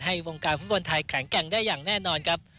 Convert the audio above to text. วงการฟุตบอลไทยแข็งแกร่งได้อย่างแน่นอนครับ